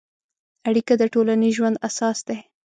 اړیکه د ټولنیز ژوند اساس دی.